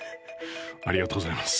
ありがとうございます。